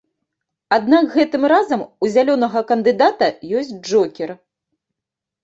Аднак гэтым разам у зялёнага кандыдата ёсць джокер.